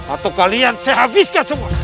atau kalian saya habiskan semua